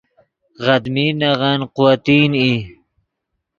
غدمین نغن قوتین ای